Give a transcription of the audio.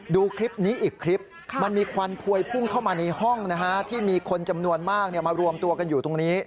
ดูคลิปนี้อีกมันมีควันพวยพุ่งเข้ามาในห้องที่มีคนมารวมตัวกันอยู่